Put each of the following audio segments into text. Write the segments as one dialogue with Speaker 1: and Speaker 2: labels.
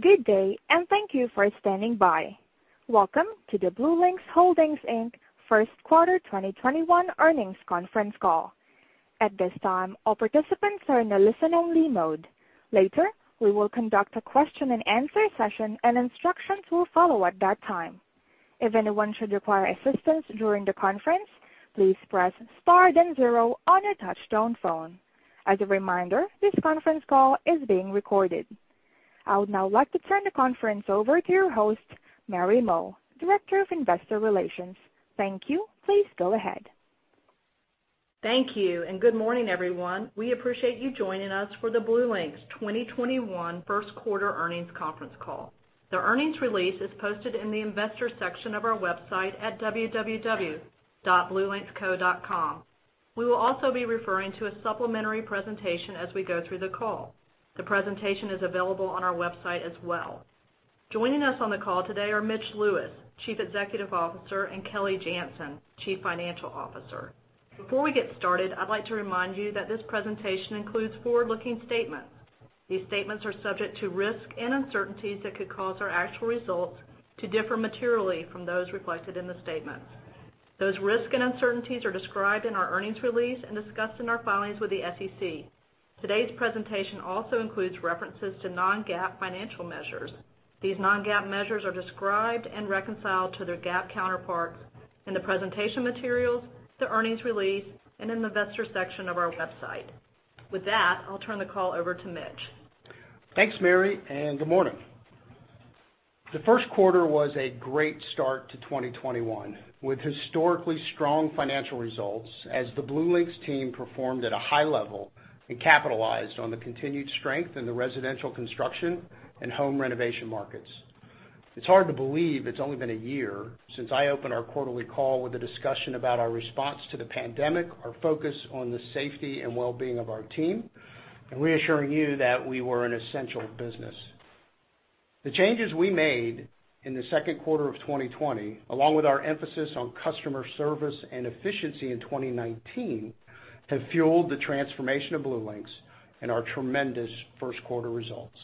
Speaker 1: Good day, and thank you for standing by. Welcome to the BlueLinx Holdings Inc. First Quarter 2021 earnings conference call. At this time, all participants are in a listen-only mode. Later, we will conduct a question-and-answer session, and instructions will follow at that time. If anyone should require assistance during the conference, please press star then zero on your touch-tone phone. As a reminder, this conference call is being recorded. I would now like to turn the conference over to your host, Mary Moll, Director of Investor Relations. Thank you. Please go ahead.
Speaker 2: Thank you, and good morning, everyone. We appreciate you joining us for the BlueLinx 2021 first quarter earnings conference call. The earnings release is posted in the Investors section of our website at www.bluelinxco.com. We will also be referring to a supplementary presentation as we go through the call. The presentation is available on our website as well. Joining us on the call today are Mitch Lewis, Chief Executive Officer, and Kelly Janzen, Chief Financial Officer. Before we get started, I'd like to remind you that this presentation includes forward-looking statements. These statements are subject to risks and uncertainties that could cause our actual results to differ materially from those reflected in the statements. Those risks and uncertainties are described in our earnings release and discussed in our filings with the SEC. Today's presentation also includes references to non-GAAP financial measures. These non-GAAP measures are described and reconciled to their GAAP counterparts in the presentation materials, the earnings release, and in the Investors section of our website. With that, I'll turn the call over to Mitch.
Speaker 3: Thanks, Mary, and good morning. The first quarter was a great start to 2021, with historically strong financial results as the BlueLinx team performed at a high level and capitalized on the continued strength in the residential construction and home renovation markets. It's hard to believe it's only been a year since I opened our quarterly call with a discussion about our response to the pandemic, our focus on the safety and wellbeing of our team, and reassuring you that we were an essential business. The changes we made in the second quarter of 2020, along with our emphasis on customer service and efficiency in 2019, have fueled the transformation of BlueLinx and our tremendous first quarter results.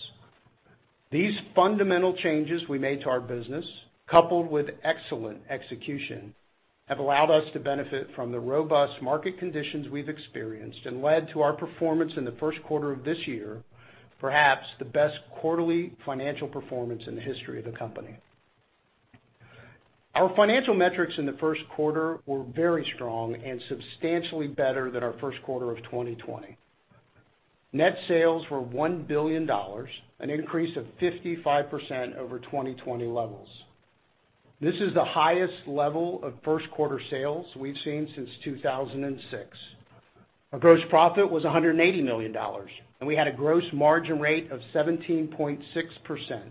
Speaker 3: These fundamental changes we made to our business, coupled with excellent execution, have allowed us to benefit from the robust market conditions we've experienced and led to our performance in the first quarter of this year, perhaps the best quarterly financial performance in the history of the company. Our financial metrics in the first quarter were very strong and substantially better than our first quarter of 2020. Net sales were $1 billion, an increase of 55% over 2020 levels. This is the highest level of first-quarter sales we've seen since 2006. Our gross profit was $180 million, we had a gross margin rate of 17.6%,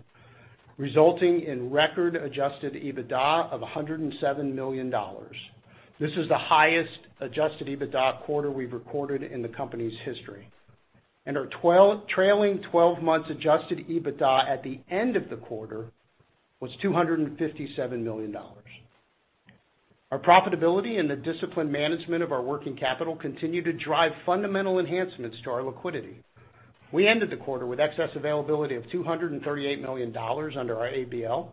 Speaker 3: resulting in record-adjusted EBITDA of $107 million. This is the highest adjusted EBITDA quarter we've recorded in the company's history. Our trailing 12 months adjusted EBITDA at the end of the quarter was $257 million. Our profitability and the disciplined management of our working capital continue to drive fundamental enhancements to our liquidity. We ended the quarter with excess availability of $238 million under our ABL,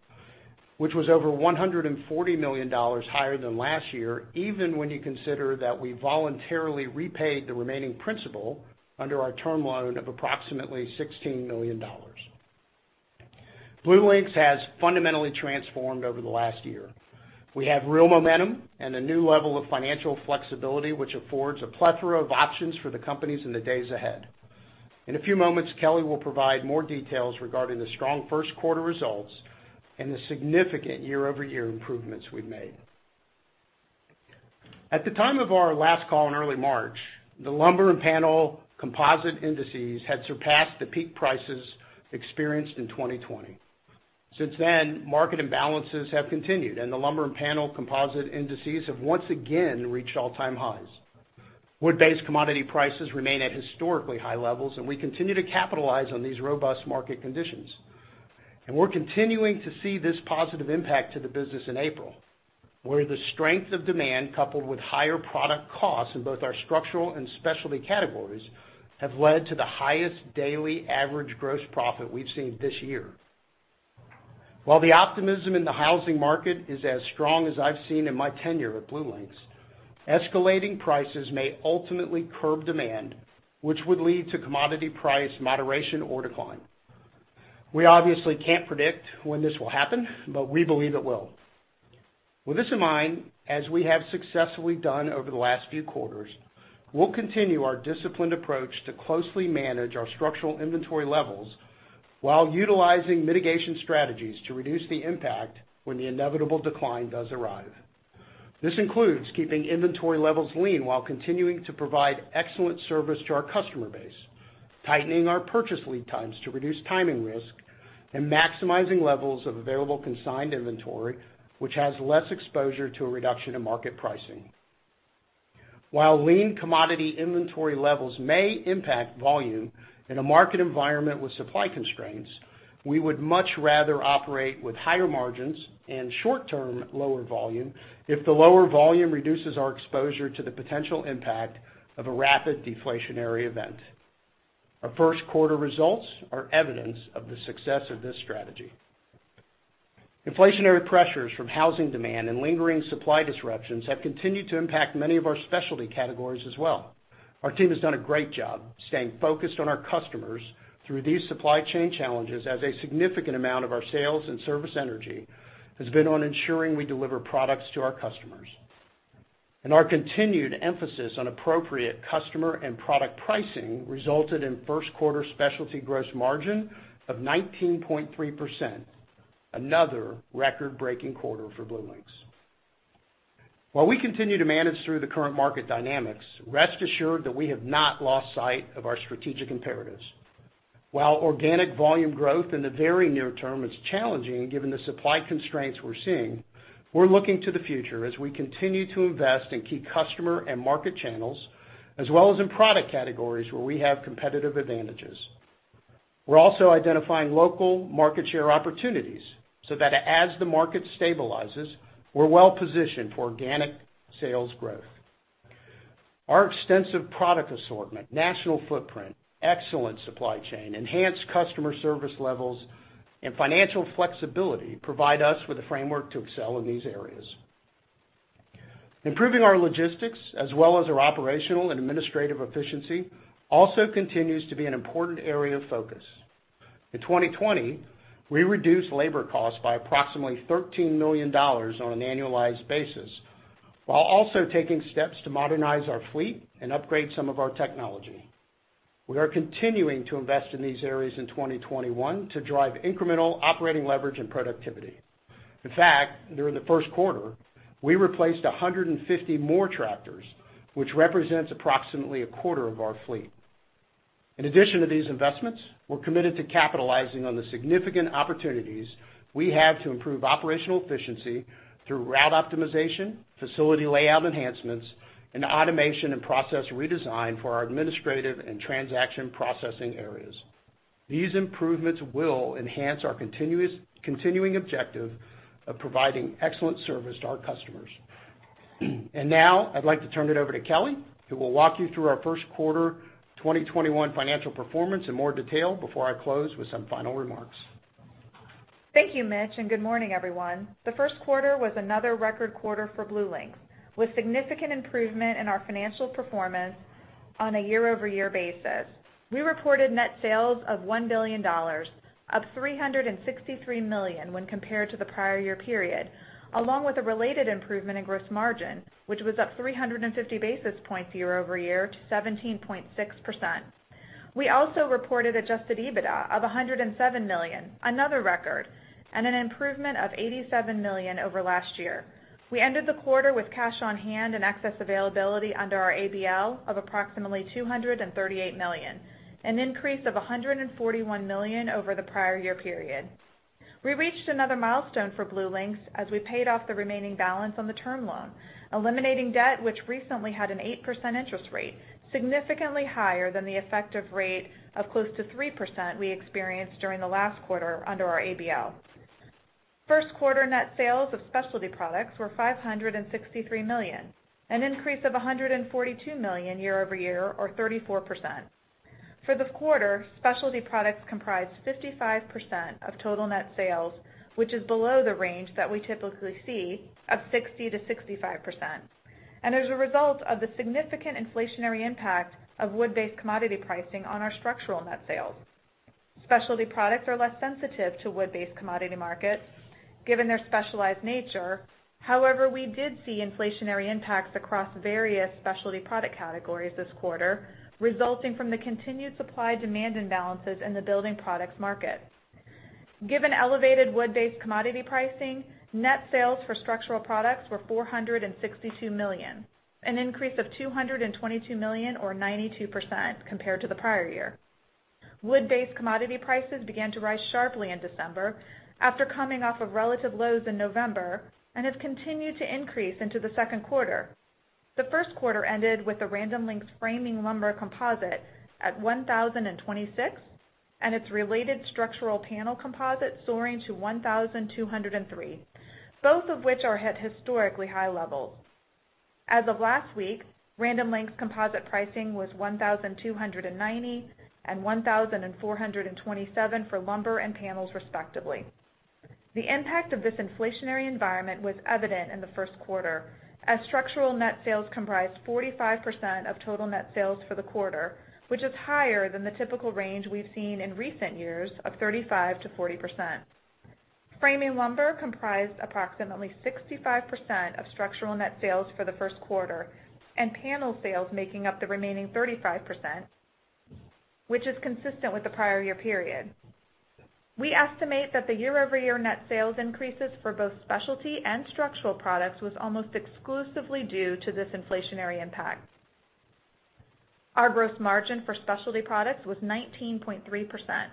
Speaker 3: which was over $140 million higher than last year, even when you consider that we voluntarily repaid the remaining principal under our term loan of approximately $16 million. BlueLinx has fundamentally transformed over the last year. We have real momentum and a new level of financial flexibility which affords a plethora of options for the companies in the days ahead. In a few moments, Kelly will provide more details regarding the strong first quarter results and the significant year-over-year improvements we've made. At the time of our last call in early March, the lumber and panel composite indices had surpassed the peak prices experienced in 2020. Since then, market imbalances have continued, and the lumber and panel composite indices have once again reached all-time highs. Wood-based commodity prices remain at historically high levels, and we continue to capitalize on these robust market conditions. We're continuing to see this positive impact to the business in April, where the strength of demand, coupled with higher product costs in both our structural and specialty categories, have led to the highest daily average gross profit we've seen this year. While the optimism in the housing market is as strong as I've seen in my tenure at BlueLinx, escalating prices may ultimately curb demand, which would lead to commodity price moderation or decline. We obviously can't predict when this will happen, but we believe it will. With this in mind, as we have successfully done over the last few quarters, we'll continue our disciplined approach to closely manage our structural inventory levels while utilizing mitigation strategies to reduce the impact when the inevitable decline does arrive. This includes keeping inventory levels lean while continuing to provide excellent service to our customer base, tightening our purchase lead times to reduce timing risk, and maximizing levels of available consigned inventory, which has less exposure to a reduction in market pricing. While lean commodity inventory levels may impact volume in a market environment with supply constraints, we would much rather operate with higher margins and short-term lower volume if the lower volume reduces our exposure to the potential impact of a rapid deflationary event. Our first quarter results are evidence of the success of this strategy. Inflationary pressures from housing demand and lingering supply disruptions have continued to impact many of our specialty categories as well. Our team has done a great job staying focused on our customers through these supply chain challenges as a significant amount of our sales and service energy has been on ensuring we deliver products to our customers. Our continued emphasis on appropriate customer and product pricing resulted in first quarter specialty gross margin of 19.3%, another record-breaking quarter for BlueLinx. While we continue to manage through the current market dynamics, rest assured that we have not lost sight of our strategic imperatives. While organic volume growth in the very near term is challenging, given the supply constraints we're seeing, we're looking to the future as we continue to invest in key customer and market channels, as well as in product categories where we have competitive advantages. We're also identifying local market share opportunities, so that as the market stabilizes, we're well positioned for organic sales growth. Our extensive product assortment, national footprint, excellent supply chain, enhanced customer service levels, and financial flexibility provide us with a framework to excel in these areas. Improving our logistics as well as our operational and administrative efficiency also continues to be an important area of focus. In 2020, we reduced labor costs by approximately $13 million on an annualized basis, while also taking steps to modernize our fleet and upgrade some of our technology. We are continuing to invest in these areas in 2021 to drive incremental operating leverage and productivity. In fact, during the first quarter, we replaced 150 more tractors, which represents approximately a quarter of our fleet. In addition to these investments, we're committed to capitalizing on the significant opportunities we have to improve operational efficiency through route optimization, facility layout enhancements, and automation and process redesign for our administrative and transaction processing areas. These improvements will enhance our continuing objective of providing excellent service to our customers. Now I'd like to turn it over to Kelly, who will walk you through our first quarter 2021 financial performance in more detail before I close with some final remarks.
Speaker 4: Thank you, Mitch. Good morning, everyone. The first quarter was another record quarter for BlueLinx, with significant improvement in our financial performance on a year-over-year basis. We reported net sales of $1 billion, up $363 million when compared to the prior year period, along with a related improvement in gross margin, which was up 350 basis points year-over-year to 17.6%. We also reported adjusted EBITDA of $107 million, another record, and an improvement of $87 million over last year. We ended the quarter with cash on hand and excess availability under our ABL of approximately $238 million, an increase of $141 million over the prior year period. We reached another milestone for BlueLinx as we paid off the remaining balance on the term loan, eliminating debt which recently had an 8% interest rate, significantly higher than the effective rate of close to 3% we experienced during the last quarter under our ABL. First quarter net sales of specialty products were $563 million, an increase of $142 million year-over-year, or 34%. For the quarter, specialty products comprised 55% of total net sales, which is below the range that we typically see of 60%-65%, and is a result of the significant inflationary impact of wood-based commodity pricing on our structural net sales. Specialty products are less sensitive to wood-based commodity markets, given their specialized nature. However, we did see inflationary impacts across various specialty product categories this quarter, resulting from the continued supply-demand imbalances in the building products market. Given elevated wood-based commodity pricing, net sales for structural products were $462 million, an increase of $222 million, or 92%, compared to the prior year. Wood-based commodity prices began to rise sharply in December after coming off of relative lows in November and have continued to increase into the second quarter. The first quarter ended with the Random Lengths framing lumber composite at 1,026, and its related structural panel composite soaring to 1,203, both of which are at historically high levels. As of last week, Random Lengths composite pricing was 1,290 and 1,427 for lumber and panels, respectively. The impact of this inflationary environment was evident in the first quarter, as structural net sales comprised 45% of total net sales for the quarter, which is higher than the typical range we've seen in recent years of 35%-40%. Framing lumber comprised approximately 65% of structural net sales for the first quarter, and panel sales making up the remaining 35%, which is consistent with the prior year period. We estimate that the year-over-year net sales increases for both specialty and structural products was almost exclusively due to this inflationary impact. Our gross margin for specialty products was 19.3%,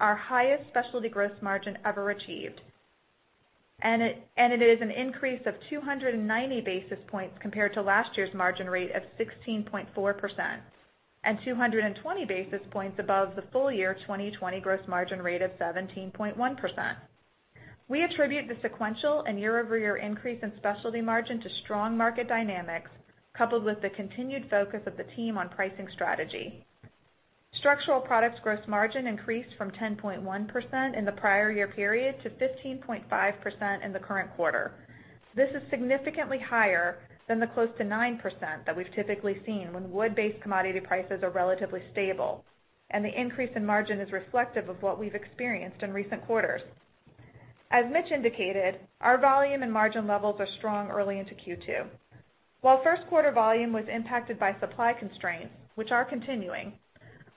Speaker 4: our highest specialty gross margin ever achieved. It is an increase of 290 basis points compared to last year's margin rate of 16.4%, and 220 basis points above the full year 2020 gross margin rate of 17.1%. We attribute the sequential and year-over-year increase in specialty margin to strong market dynamics, coupled with the continued focus of the team on pricing strategy. Structural Products gross margin increased from 10.1% in the prior year period to 15.5% in the current quarter. This is significantly higher than the close to 9% that we've typically seen when wood-based commodity prices are relatively stable, and the increase in margin is reflective of what we've experienced in recent quarters. As Mitch indicated, our volume and margin levels are strong early into Q2. While first quarter volume was impacted by supply constraints, which are continuing,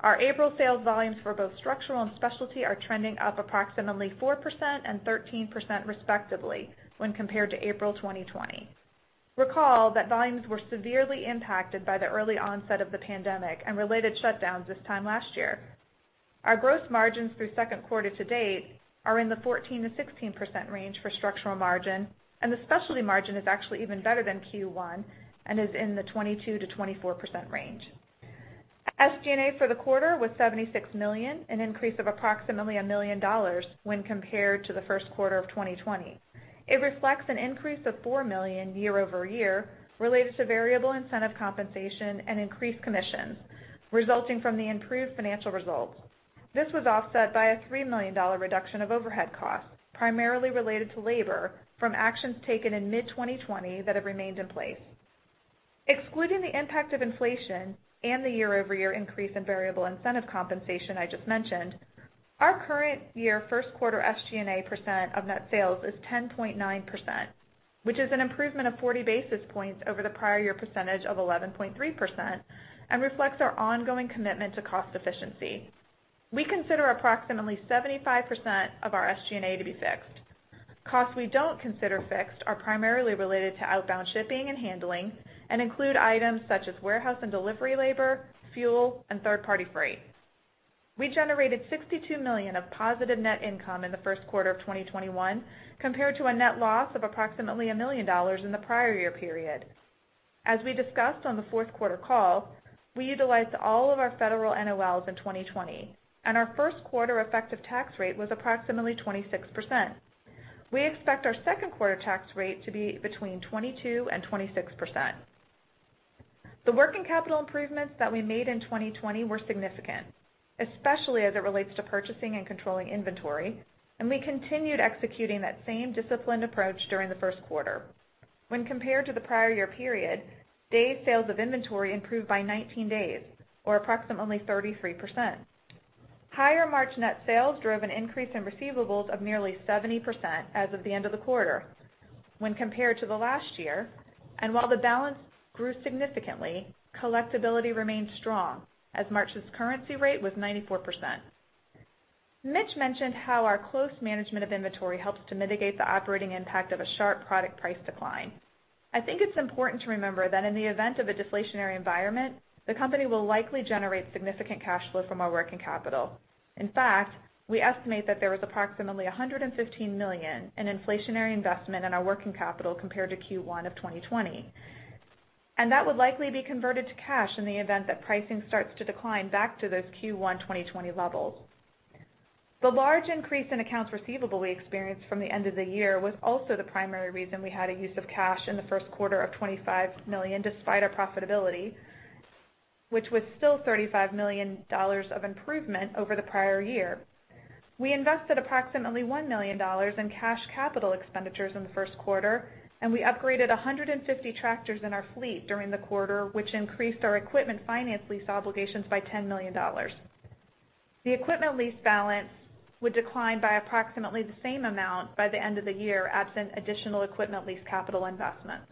Speaker 4: our April sales volumes for both structural and specialty are trending up approximately 4% and 13% respectively when compared to April 2020. Recall that volumes were severely impacted by the early onset of the pandemic and related shutdowns this time last year. Our gross margins through second quarter to date are in the 14%-16% range for structural margin, and the specialty margin is actually even better than Q1 and is in the 22%-24% range. SG&A for the quarter was $76 million, an increase of approximately $1 million when compared to the first quarter of 2020. It reflects an increase of $4 million year-over-year related to variable incentive compensation and increased commissions, resulting from the improved financial results. This was offset by a $3 million reduction of overhead costs, primarily related to labor from actions taken in mid-2020 that have remained in place. Excluding the impact of inflation and the year-over-year increase in variable incentive compensation I just mentioned. Our current year first quarter SG&A percent of net sales is 10.9%, which is an improvement of 40 basis points over the prior year percentage of 11.3% and reflects our ongoing commitment to cost efficiency. We consider approximately 75% of our SG&A to be fixed. Costs we don't consider fixed are primarily related to outbound shipping and handling and include items such as warehouse and delivery labor, fuel, and third-party freight. We generated $62 million of positive net income in the first quarter of 2021 compared to a net loss of approximately $1 million in the prior year period. As we discussed on the fourth quarter call, we utilized all of our federal NOLs in 2020. Our first quarter effective tax rate was approximately 26%. We expect our second quarter tax rate to be between 22% and 26%. The working capital improvements that we made in 2020 were significant, especially as it relates to purchasing and controlling inventory. We continued executing that same disciplined approach during the first quarter. When compared to the prior year period, days sales of inventory improved by 19 days or approximately 33%. Higher March net sales drove an increase in receivables of nearly 70% as of the end of the quarter when compared to the last year. While the balance grew significantly, collectibility remained strong as March's current rate was 94%. Mitch mentioned how our close management of inventory helps to mitigate the operating impact of a sharp product price decline. I think it's important to remember that in the event of a deflationary environment, the company will likely generate significant cash flow from our working capital. In fact, we estimate that there was approximately $115 million in inflationary investment in our working capital compared to Q1 2020. That would likely be converted to cash in the event that pricing starts to decline back to those Q1 2020 levels. The large increase in accounts receivable we experienced from the end of the year was also the primary reason we had a use of cash in the first quarter of $25 million, despite our profitability, which was still $35 million of improvement over the prior year. We invested approximately $1 million in cash capital expenditures in the first quarter, and we upgraded 150 tractors in our fleet during the quarter, which increased our equipment finance lease obligations by $10 million. The equipment lease balance would decline by approximately the same amount by the end of the year, absent additional equipment lease capital investments.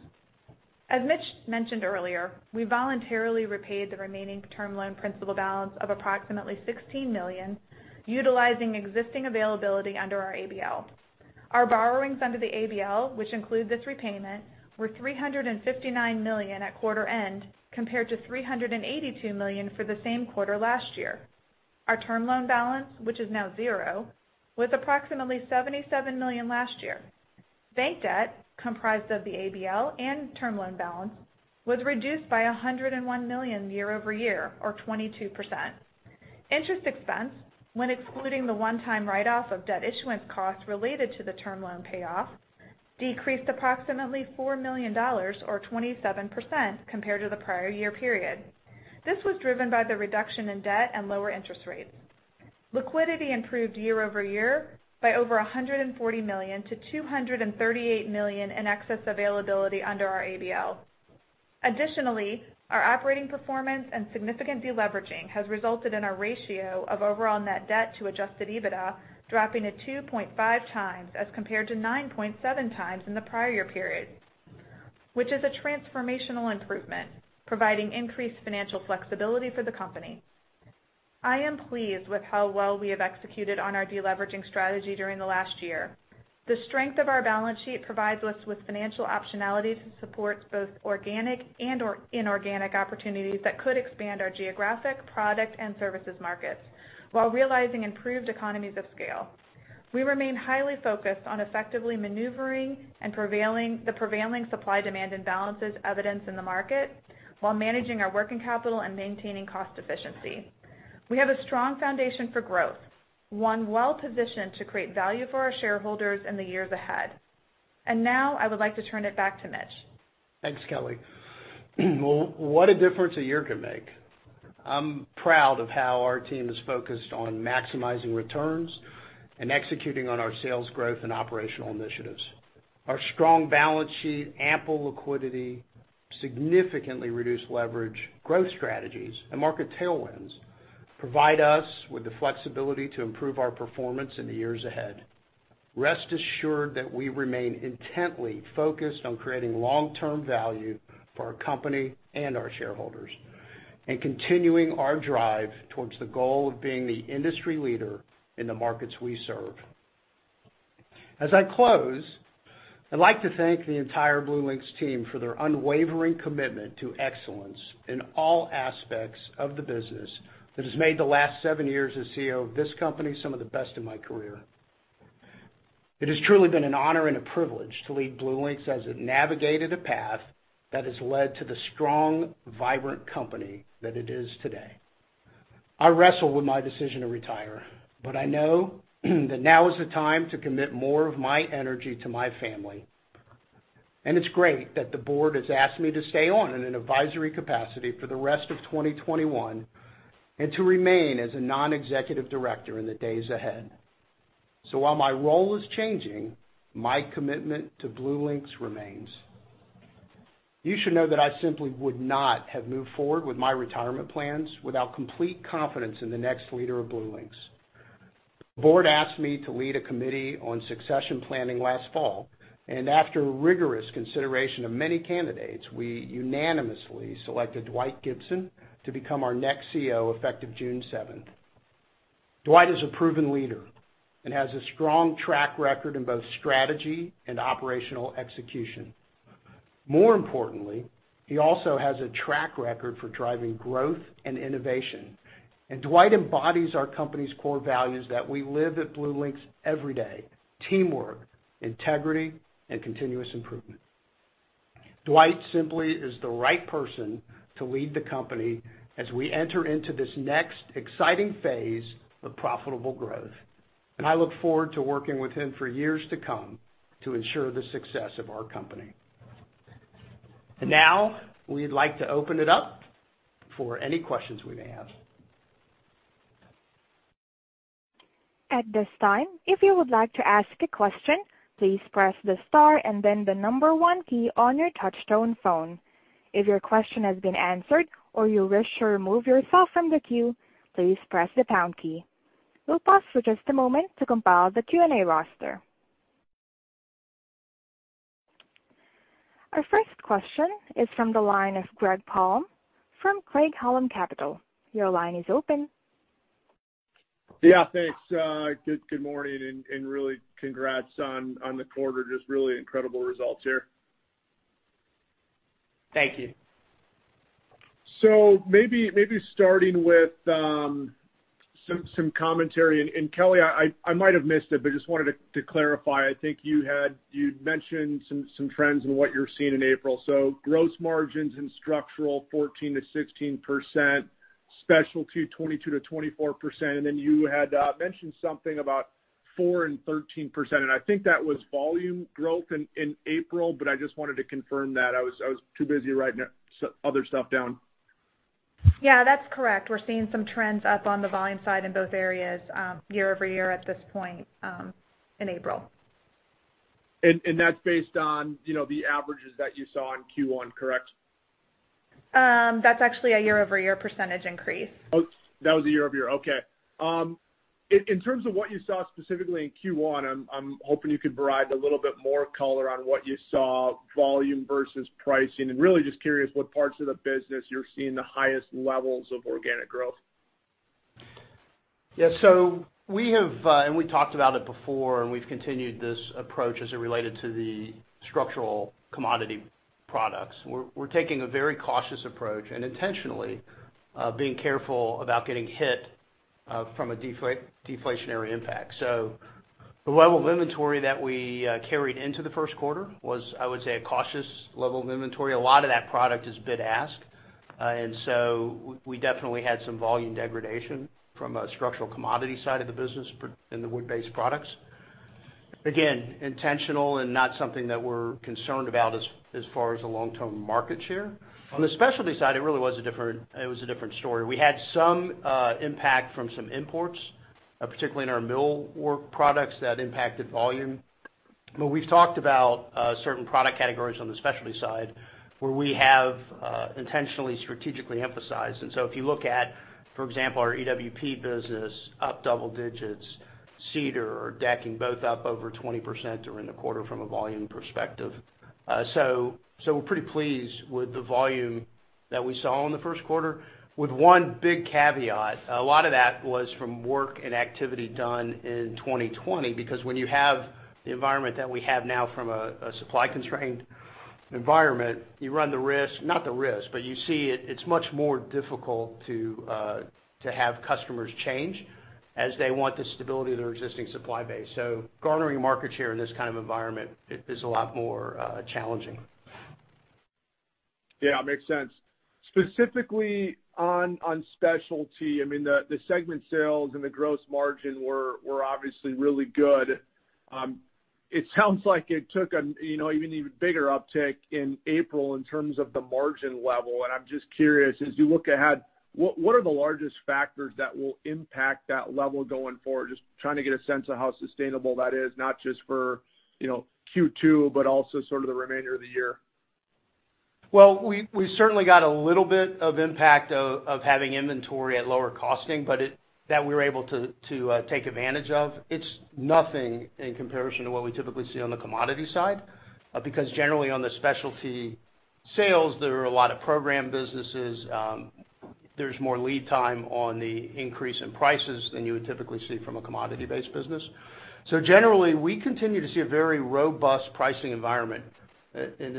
Speaker 4: As Mitch mentioned earlier, we voluntarily repaid the remaining term loan principal balance of approximately $16 million utilizing existing availability under our ABL. Our borrowings under the ABL, which include this repayment, were $359 million at quarter end, compared to $382 million for the same quarter last year. Our term loan balance, which is now zero, was approximately $77 million last year. Bank debt, comprised of the ABL and term loan balance, was reduced by $101 million year-over-year or 22%. Interest expense, when excluding the one-time write-off of debt issuance costs related to the term loan payoff, decreased approximately $4 million or 27% compared to the prior year period. This was driven by the reduction in debt and lower interest rates. Liquidity improved year-over-year by over $140 million to $238 million in excess availability under our ABL. Additionally, our operating performance and significant deleveraging has resulted in a ratio of overall net debt to adjusted EBITDA dropping to 2.5x as compared to 9.7x in the prior year period, which is a transformational improvement, providing increased financial flexibility for the company. I am pleased with how well we have executed on our deleveraging strategy during the last year. The strength of our balance sheet provides us with financial optionality to support both organic and inorganic opportunities that could expand our geographic, product, and services markets while realizing improved economies of scale. We remain highly focused on effectively maneuvering the prevailing supply-demand imbalances evidenced in the market while managing our working capital and maintaining cost efficiency. We have a strong foundation for growth, one well-positioned to create value for our shareholders in the years ahead. Now I would like to turn it back to Mitch.
Speaker 3: Thanks, Kelly. What a difference a year can make. I'm proud of how our team is focused on maximizing returns and executing on our sales growth and operational initiatives. Our strong balance sheet, ample liquidity, significantly reduced leverage, growth strategies, and market tailwinds provide us with the flexibility to improve our performance in the years ahead. Rest assured that we remain intently focused on creating long-term value for our company and our shareholders and continuing our drive towards the goal of being the industry leader in the markets we serve. As I close, I'd like to thank the entire BlueLinx team for their unwavering commitment to excellence in all aspects of the business. That has made the last seven years as CEO of this company some of the best in my career. It has truly been an honor and a privilege to lead BlueLinx as it navigated a path that has led to the strong, vibrant company that it is today. I wrestle with my decision to retire, but I know that now is the time to commit more of my energy to my family. It's great that the board has asked me to stay on in an advisory capacity for the rest of 2021 and to remain as a non-executive director in the days ahead. While my role is changing, my commitment to BlueLinx remains. You should know that I simply would not have moved forward with my retirement plans without complete confidence in the next leader of BlueLinx. The board asked me to lead a committee on succession planning last fall, after rigorous consideration of many candidates, we unanimously selected Dwight Gibson to become our next CEO, effective June seventh. Dwight is a proven leader and has a strong track record in both strategy and operational execution. More importantly, he also has a track record for driving growth and innovation. Dwight embodies our company's core values that we live at BlueLinx every day: teamwork, integrity, and continuous improvement. Dwight simply is the right person to lead the company as we enter into this next exciting phase of profitable growth. I look forward to working with him for years to come to ensure the success of our company. Now we'd like to open it up for any questions we may have.
Speaker 1: We'll pause for just a moment to compile the Q&A roster. Our first question is from the line of Greg Palm from Craig-Hallum Capital. Your line is open.
Speaker 5: Yeah, thanks. Good morning, and really congrats on the quarter. Just really incredible results here.
Speaker 3: Thank you.
Speaker 5: Maybe starting with some commentary. Kelly, I might have missed it, but just wanted to clarify. I think you'd mentioned some trends in what you're seeing in April. Gross margins in structural, 14%-16%, specialty, 22%-24%. You had mentioned something about 4% and 13%, and I think that was volume growth in April, but I just wanted to confirm that. I was too busy writing other stuff down.
Speaker 4: That's correct. We're seeing some trends up on the volume side in both areas year-over-year at this point in April.
Speaker 5: That's based on the averages that you saw in Q1, correct?
Speaker 4: That's actually a year-over-year percentage increase.
Speaker 5: That was a year-over-year. Okay. In terms of what you saw specifically in Q1, I'm hoping you could provide a little bit more color on what you saw volume versus pricing, and really just curious what parts of the business you're seeing the highest levels of organic growth.
Speaker 3: Yeah. We have, we talked about it before, and we've continued this approach as it related to the structural commodity products. We're taking a very cautious approach and intentionally being careful about getting hit from a deflationary impact. The level of inventory that we carried into the first quarter was, I would say, a cautious level of inventory. A lot of that product is bid-ask. We definitely had some volume degradation from a structural commodity side of the business in the wood-based products. Again, intentional and not something that we're concerned about as far as the long-term market share. On the specialty side, it really was a different story. We had some impact from some imports, particularly in our millwork products. That impacted volume. We've talked about certain product categories on the specialty side where we have intentionally strategically emphasized. If you look at, for example, our EWP business up double digits, cedar or decking both up over 20% during the quarter from a volume perspective. We're pretty pleased with the volume that we saw in the first quarter with one big caveat. A lot of that was from work and activity done in 2020, because when you have the environment that we have now from a supply-constrained environment, you run the risk, but you see it's much more difficult to have customers change as they want the stability of their existing supply base. Garnering market share in this kind of environment is a lot more challenging.
Speaker 5: Yeah. Makes sense. Specifically on specialty, the segment sales and the gross margin were obviously really good. It sounds like it took an even bigger uptick in April in terms of the margin level, and I'm just curious, as you look ahead, what are the largest factors that will impact that level going forward? Just trying to get a sense of how sustainable that is, not just for Q2, but also the remainder of the year.
Speaker 3: Well, we certainly got a little bit of impact of having inventory at lower costing, but that we were able to take advantage of. It's nothing in comparison to what we typically see on the commodity side. Generally on the specialty sales, there are a lot of program businesses. There's more lead time on the increase in prices than you would typically see from a commodity-based business. Generally, we continue to see a very robust pricing environment in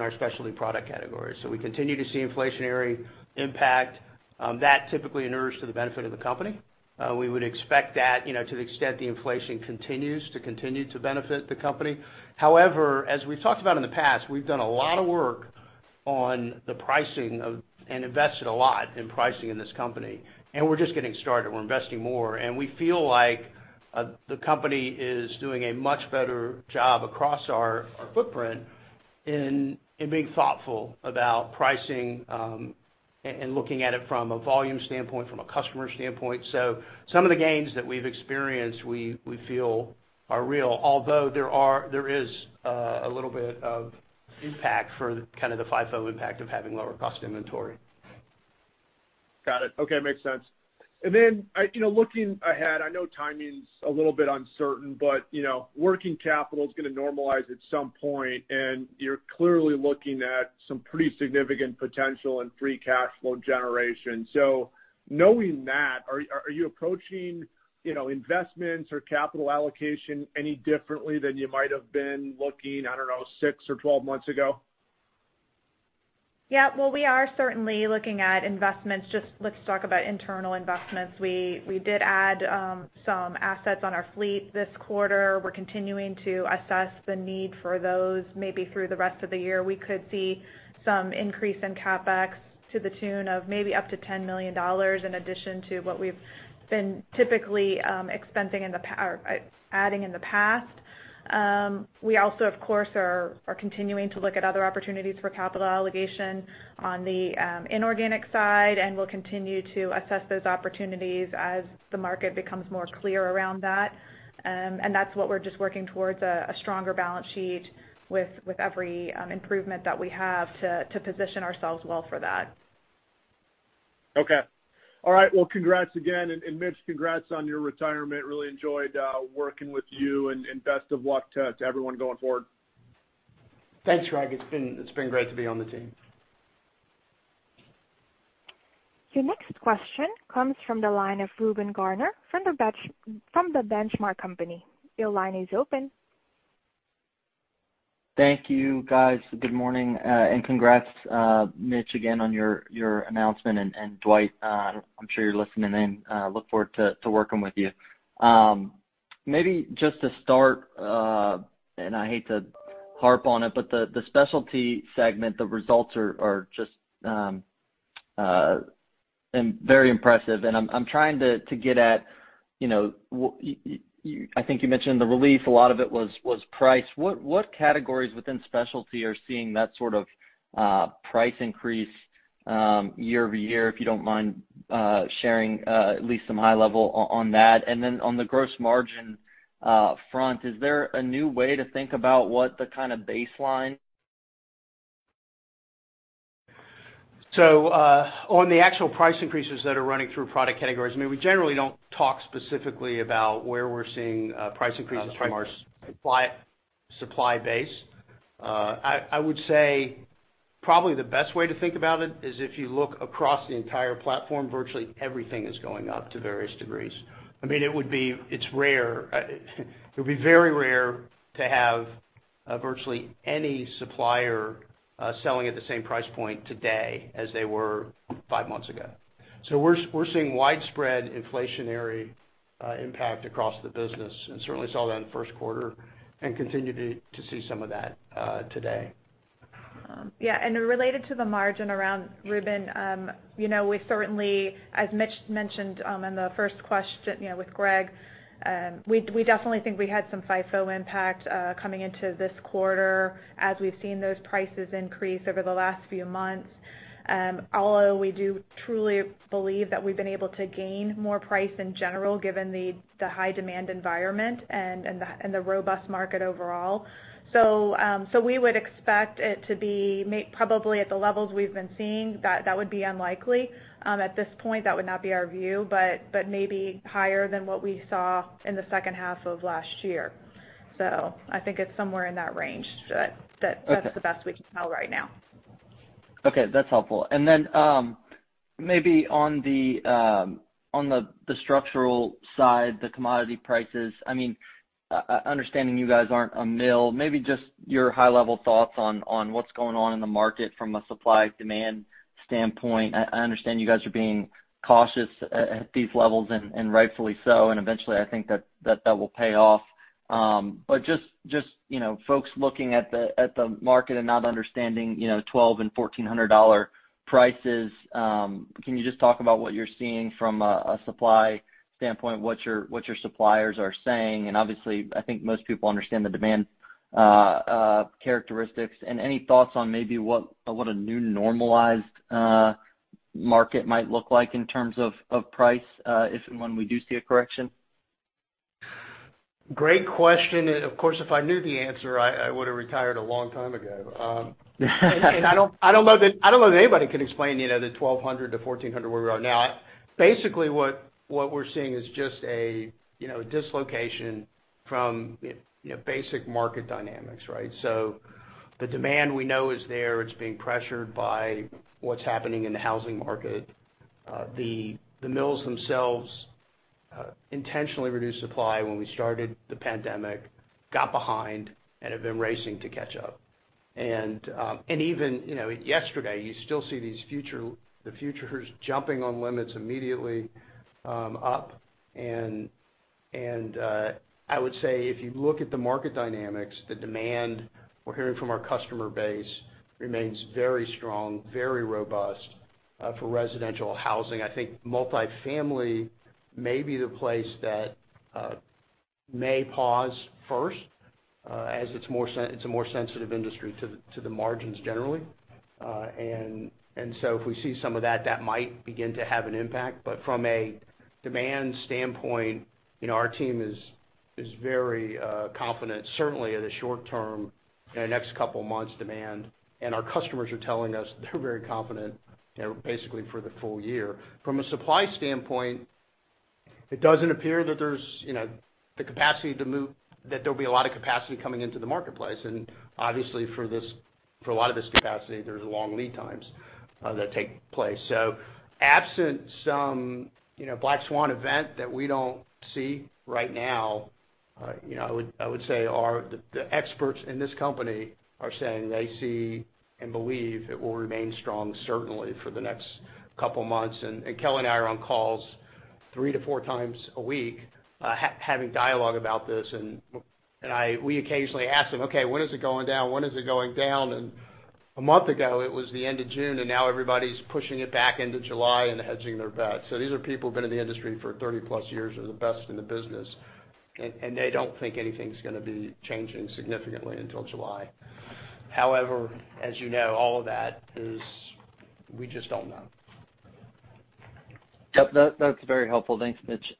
Speaker 3: our specialty product categories. We continue to see inflationary impact. That typically inures to the benefit of the company. We would expect that to the extent the inflation continues, to continue to benefit the company. As we've talked about in the past, we've done a lot of work on the pricing of, and invested a lot in pricing in this company, and we're just getting started. We're investing more, and we feel like the company is doing a much better job across our footprint in being thoughtful about pricing, and looking at it from a volume standpoint, from a customer standpoint. Some of the gains that we've experienced, we feel are real, although there is a little bit of impact for the FIFO impact of having lower cost inventory.
Speaker 5: Got it. Okay. Makes sense. Looking ahead, I know timing's a little bit uncertain, but working capital's going to normalize at some point, and you're clearly looking at some pretty significant potential and free cash flow generation. Knowing that, are you approaching investments or capital allocation any differently than you might have been looking, I don't know, six or 12 months ago?
Speaker 4: Yeah. Well, we are certainly looking at investments. Just let's talk about internal investments. We did add some assets on our fleet this quarter. We're continuing to assess the need for those, maybe through the rest of the year. We could see some increase in CapEx to the tune of maybe up to $10 million, in addition to what we've been typically adding in the past. We also, of course, are continuing to look at other opportunities for capital allocation on the inorganic side, and we'll continue to assess those opportunities as the market becomes more clear around that. That's what we're just working towards, a stronger balance sheet with every improvement that we have to position ourselves well for that.
Speaker 5: Okay. All right. Well, congrats again. Mitch, congrats on your retirement. Really enjoyed working with you, and best of luck to everyone going forward.
Speaker 3: Thanks, Greg. It's been great to be on the team.
Speaker 1: Your next question comes from the line of Reuben Garner from The Benchmark Company. Your line is open.
Speaker 6: Thank you, guys. Good morning, and congrats, Mitch, again on your announcement. Dwight, I'm sure you're listening in, look forward to working with you. Maybe just to start, and I hate to harp on it, but the specialty segment, the results are just very impressive, and I'm trying to get at, I think you mentioned the relief, a lot of it was price. What categories within specialty are seeing that sort of price increase year-over-year, if you don't mind sharing at least some high level on that? Then on the gross margin front, is there a new way to think about what the kind of baseline?
Speaker 3: On the actual price increases that are running through product categories, we generally don't talk specifically about where we're seeing price increases from our supply base. I would say probably the best way to think about it is if you look across the entire platform, virtually everything is going up to various degrees. It's rare. It would be very rare to have virtually any supplier selling at the same price point today as they were five months ago. We're seeing widespread inflationary impact across the business, and certainly saw that in the first quarter and continue to see some of that today.
Speaker 4: Yeah. Related to the margin around, Reuben, as Mitch mentioned in the first question with Greg, we definitely think we had some FIFO impact coming into this quarter as we've seen those prices increase over the last few months. We do truly believe that we've been able to gain more price in general given the high demand environment and the robust market overall. We would expect it to be probably at the levels we've been seeing. That would be unlikely. At this point, that would not be our view, but maybe higher than what we saw in the second half of last year. I think it's somewhere in that range. That's the best we can tell right now.
Speaker 6: Okay, that's helpful. Maybe on the structural side, the commodity prices. Understanding you guys aren't a mill, maybe just your high-level thoughts on what's going on in the market from a supply-demand standpoint. I understand you guys are being cautious at these levels, and rightfully so. Eventually, I think that will pay off. Just folks looking at the market and not understanding $1,200 and $1,400 prices, can you just talk about what you're seeing from a supply standpoint, what your suppliers are saying? Obviously, I think most people understand the demand characteristics. Any thoughts on maybe what a new normalized market might look like in terms of price, if and when we do see a correction?
Speaker 3: Great question. Of course, if I knew the answer, I would've retired a long time ago. I don't know that anybody can explain the $1,200-$1,400 where we are now. Basically, what we're seeing is just a dislocation from basic market dynamics, right? The demand we know is there. It's being pressured by what's happening in the housing market. The mills themselves intentionally reduced supply when we started the pandemic, got behind, and have been racing to catch up. Even yesterday, you still see the futures jumping on limits immediately up. I would say, if you look at the market dynamics, the demand we're hearing from our customer base remains very strong, very robust for residential housing. I think multi-family may be the place that may pause first, as it's a more sensitive industry to the margins generally. If we see some of that might begin to have an impact. From a demand standpoint, our team is very confident, certainly in the short term, in the next couple of months demand, and our customers are telling us they're very confident basically for the full year. From a supply standpoint, it doesn't appear that there'll be a lot of capacity coming into the marketplace. Obviously, for a lot of this capacity, there's long lead times that take place. Absent some black swan event that we don't see right now, I would say the experts in this company are saying they see and believe it will remain strong, certainly for the next couple of months. Kelly and I are on calls three to four times a week, having dialogue about this. We occasionally ask them, Okay, when is it going down? When is it going down? A month ago, it was the end of June, and now everybody's pushing it back into July and hedging their bets. These are people who've been in the industry for 30-plus years, are the best in the business, and they don't think anything's going to be changing significantly until July. However, as you know, all of that is we just don't know.
Speaker 6: Yep. That's very helpful. Thanks, Mitch.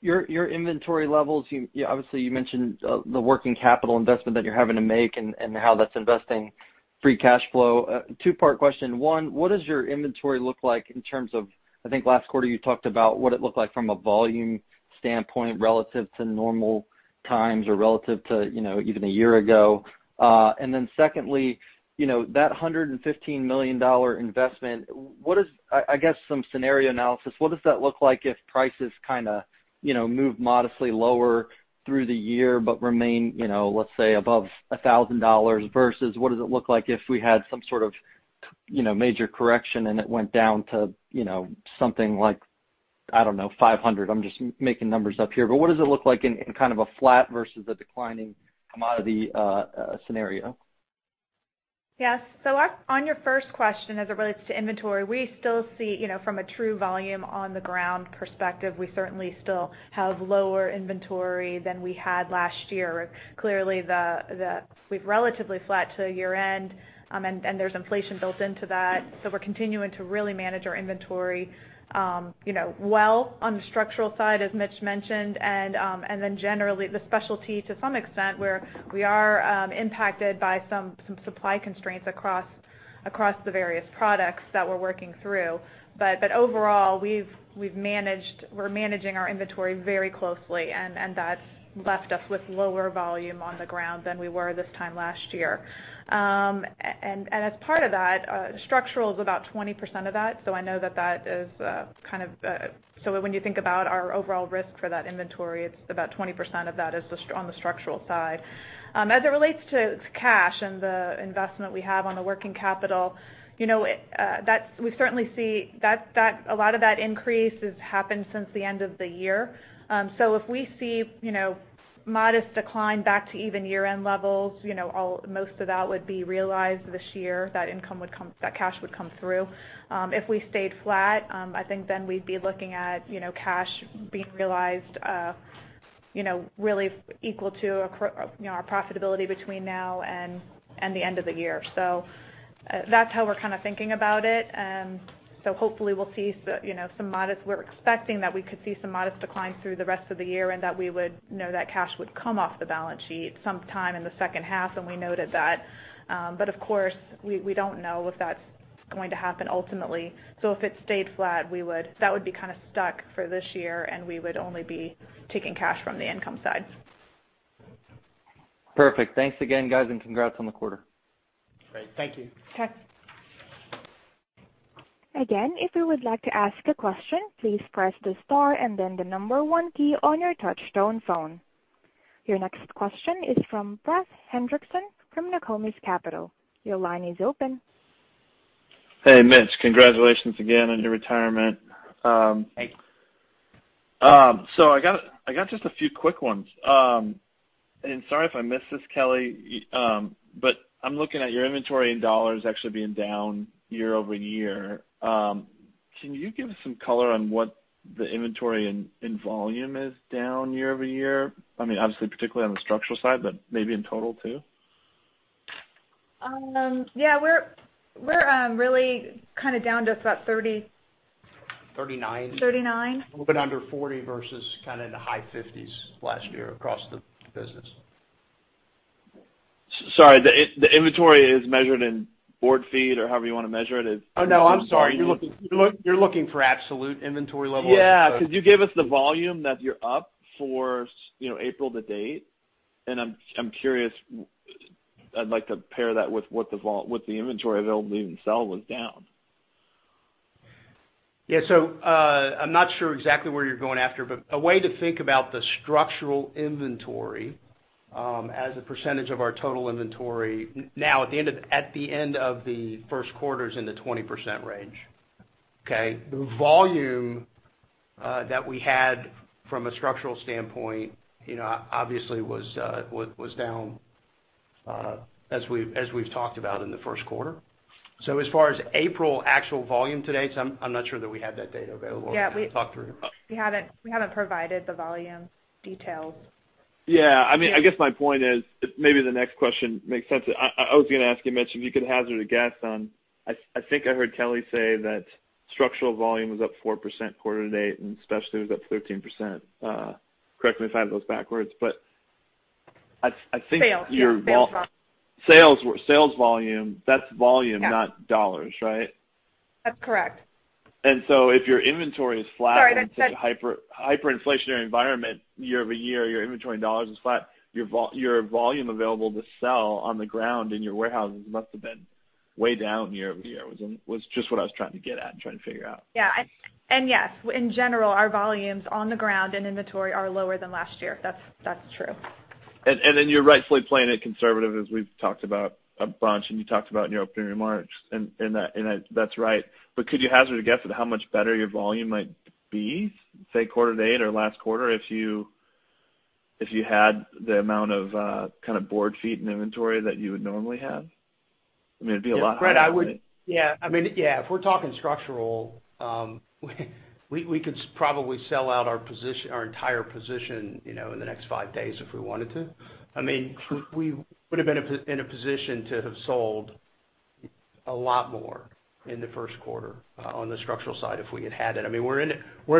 Speaker 6: Your inventory levels, obviously you mentioned the working capital investment that you're having to make and how that's investing free cash flow. A two-part question. One, what does your inventory look like in terms of, I think last quarter you talked about what it looked like from a volume standpoint relative to normal times or relative to even a year ago. Secondly, that $115 million investment, I guess some scenario analysis, what does that look like if prices kind of move modestly lower through the year but remain, let's say, above $1,000? Versus what does it look like if we had some sort of major correction and it went down to something like, I don't know, $500? I'm just making numbers up here. What does it look like in kind of a flat versus a declining commodity scenario?
Speaker 4: Yes. On your first question, as it relates to inventory, we still see from a true volume on the ground perspective, we certainly still have lower inventory than we had last year. Clearly, we've relatively flat to year-end, and there's inflation built into that. We're continuing to really manage our inventory well on the structural side, as Mitch mentioned. Generally, the specialty to some extent, we are impacted by some supply constraints across the various products that we're working through. Overall, we're managing our inventory very closely, and that's left us with lower volume on the ground than we were this time last year. As part of that, structural is about 20% of that. When you think about our overall risk for that inventory, it's about 20% of that is on the structural side. As it relates to cash and the investment we have on the working capital, we certainly see a lot of that increase has happened since the end of the year. If we see modest decline back to even year-end levels, most of that would be realized this year. That cash would come through. If we stayed flat, I think then we'd be looking at cash being realized really equal to our profitability between now and the end of the year. That's how we're kind of thinking about it. Hopefully we're expecting that we could see some modest decline through the rest of the year and that we would know that cash would come off the balance sheet sometime in the second half, and we noted that. Of course, we don't know if it's going to happen ultimately. If it stayed flat, that would be kind of stuck for this year, and we would only be taking cash from the income side.
Speaker 6: Perfect. Thanks again, guys, and congrats on the quarter.
Speaker 3: Great. Thank you.
Speaker 1: Again, if you would like to ask a question, please press the star and then the number one key on your touch-tone phone. Your next question is from Brett Hendrickson from Nokomis Capital. Your line is open.
Speaker 7: Hey, Mitch. Congratulations again on your retirement.
Speaker 3: Thanks.
Speaker 7: I got just a few quick ones. Sorry if I missed this, Kelly, but I'm looking at your inventory in dollars actually being down year-over-year. Can you give us some color on what the inventory in volume is down year-over-year? Obviously, particularly on the structural side, but maybe in total too?
Speaker 4: Yeah. We're really kind of down to about 30.
Speaker 3: 39.
Speaker 4: 39.
Speaker 3: Little bit under 40 versus kind of in the high 50s last year across the business.
Speaker 7: Sorry, the inventory is measured in board feet or however you want to measure it?
Speaker 3: Oh, no, I'm sorry. You're looking for absolute inventory level as opposed to.
Speaker 7: Yeah. Could you give us the volume that you're up for April to date? I'm curious, I'd like to pair that with what the inventory available to even sell was down.
Speaker 3: Yeah. I'm not sure exactly where you're going after, but a way to think about the structural inventory, as a percentage of our total inventory now at the end of the first quarter is in the 20% range. Okay. The volume that we had from a structural standpoint obviously was down, as we've talked about in the first quarter. As far as April actual volume to date, I'm not sure that we have that data available to talk through.
Speaker 4: We haven't provided the volume details.
Speaker 7: Yeah. I guess my point is, maybe the next question makes sense. I was going to ask you, Mitch, if you could hazard a guess on, I think I heard Kelly say that structural volume was up 4% quarter to date, and specialty was up 13%. Correct me if I have those backwards?
Speaker 4: Sales, yeah. Sales volume.
Speaker 7: Sales volume. That's volume not dollars, right?
Speaker 4: That's correct.
Speaker 7: If your inventory is flat in such a hyperinflationary environment year-over-year, your inventory dollars is flat, your volume available to sell on the ground in your warehouses must've been way down year-over-year, was just what I was trying to get at and trying to figure out.
Speaker 4: Yeah. Yes, in general, our volumes on the ground and inventory are lower than last year. That's true.
Speaker 7: You're rightfully playing it conservative, as we've talked about a bunch and you talked about in your opening remarks, and that's right. Could you hazard a guess at how much better your volume might be, say, quarter to date or last quarter if you had the amount of kind of board feet and inventory that you would normally have? It'd be a lot, right?
Speaker 3: Yeah. If we're talking structural, we could probably sell out our entire position in the next five days if we wanted to. We would've been in a position to have sold a lot more in the first quarter on the structural side if we had had it. We're in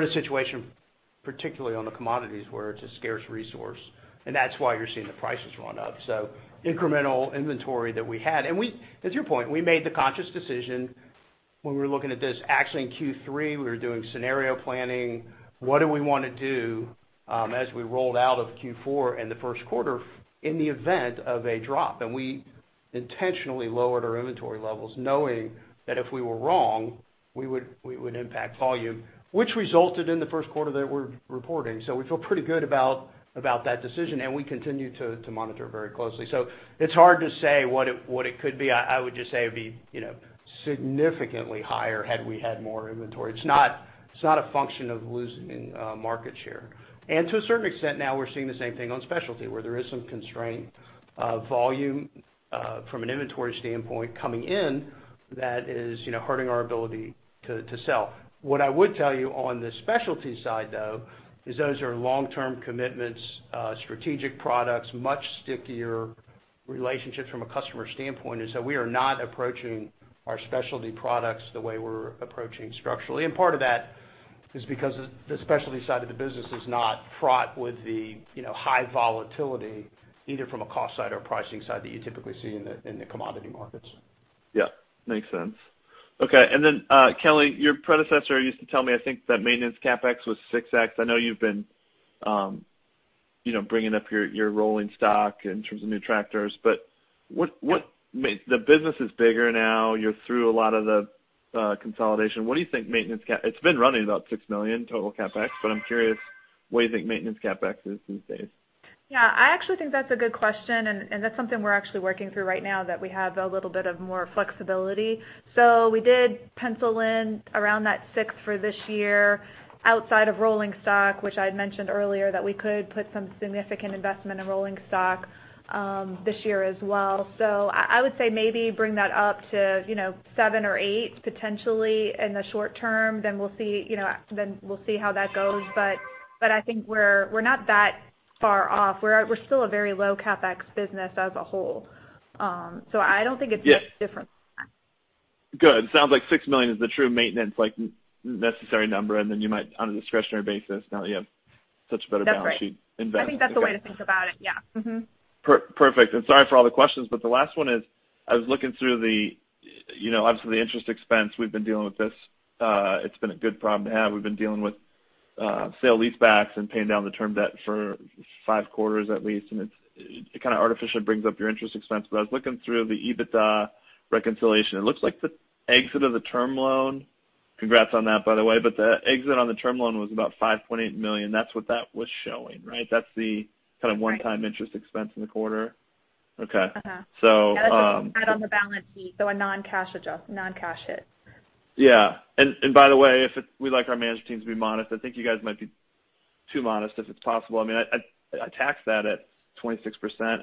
Speaker 3: a situation, particularly on the commodities, where it's a scarce resource, and that's why you're seeing the prices run up. Incremental inventory that we had. To your point, we made the conscious decision when we were looking at this, actually in Q3, we were doing scenario planning. What do we want to do as we rolled out of Q4 and the first quarter in the event of a drop? We intentionally lowered our inventory levels knowing that if we were wrong, we would impact volume, which resulted in the first quarter that we're reporting. We feel pretty good about that decision, and we continue to monitor very closely. It's hard to say what it could be. I would just say it'd be significantly higher had we had more inventory. It's not a function of losing market share. To a certain extent now, we're seeing the same thing on specialty, where there is some constraint of volume from an inventory standpoint coming in that is hurting our ability to sell. What I would tell you on the specialty side, though, is those are long-term commitments, strategic products, much stickier relationships from a customer standpoint. We are not approaching our specialty products the way we're approaching structurally, and part of that is because the specialty side of the business is not fraught with the high volatility, either from a cost side or pricing side that you typically see in the commodity markets.
Speaker 7: Yeah, makes sense. Okay. Then, Kelly, your predecessor used to tell me, I think, that maintenance CapEx was $6 million. I know you've been bringing up your rolling stock in terms of new tractors. The business is bigger now. You're through a lot of the consolidation. It's been running about $6 million total CapEx, but I'm curious what you think maintenance CapEx is these days.
Speaker 4: I actually think that's a good question. That's something we're actually working through right now, that we have a little bit of more flexibility. We did pencil in around $6 for this year outside of rolling stock, which I had mentioned earlier that we could put some significant investment in rolling stock this year as well. I would say maybe bring that up to $7 or $8 potentially in the short term. We'll see how that goes. I think we're not that far off. We're still a very low CapEx business as a whole. So I don't think it's different.
Speaker 7: Good. Sounds like $6 million is the true maintenance necessary number, and then you might, on a discretionary basis, now that you have such a better balance sheet.
Speaker 4: That's right.
Speaker 7: Invest. Okay.
Speaker 4: I think that's the way to think about it, yeah.
Speaker 7: Perfect. Sorry for all the questions, the last one is, I was looking through the, obviously, the interest expense. We've been dealing with this. It's been a good problem to have. We've been dealing with sale-leasebacks and paying down the term debt for five quarters at least, and it kind of artificially brings up your interest expense. I was looking through the EBITDA reconciliation. It looks like the exit of the term loan, congrats on that, by the way, but the exit on the term loan was about $5.8 million. That's what that was showing. One-time interest expense in the quarter?
Speaker 4: Yeah, that's just an add on the balance sheet, so a non-cash hit.
Speaker 7: Yeah. By the way, we like our management team to be modest. I think you guys might be too modest, if it's possible. I taxed that at 26%,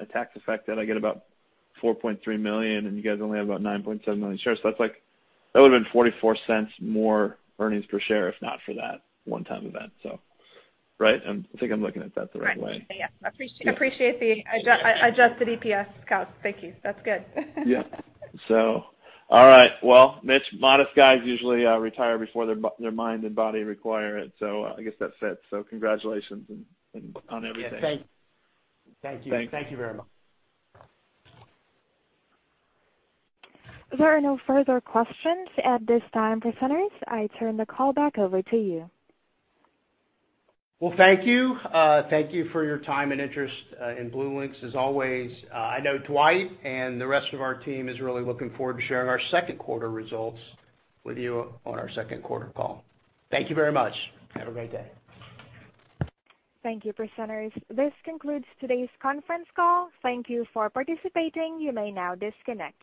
Speaker 7: I tax-effected, I get about $4.3 million. You guys only have about 9.7 million shares, so that would've been $0.44 more earnings per share if not for that one-time event. Right? I think I'm looking at that the right way.
Speaker 4: Right. Yeah. Appreciate the adjusted EPS, Brett. Thank you. That's good.
Speaker 7: Yeah. All right. Well, Mitch, modest guys usually retire before their mind and body require it, so I guess that's it. Congratulations on everything.
Speaker 3: Yeah, thank you.
Speaker 7: Thanks.
Speaker 3: Thank you very much.
Speaker 1: There are no further questions at this time. Presenters, I turn the call back over to you.
Speaker 3: Well, thank you. Thank you for your time and interest in BlueLinx as always. I know Dwight and the rest of our team is really looking forward to sharing our second quarter results with you on our second quarter call. Thank you very much. Have a great day.
Speaker 1: Thank you, presenters. This concludes today's conference call. Thank you for participating. You may now disconnect.